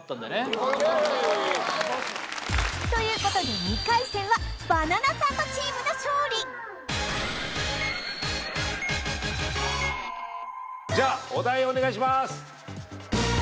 イエーイ！ということで２回戦はバナナサンドチームの勝利じゃあお題お願いします